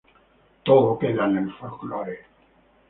Todo queda en el folclore.